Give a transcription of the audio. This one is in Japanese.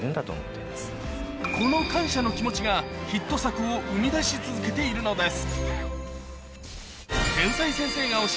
この感謝の気持ちがヒット作を生み出し続けているのです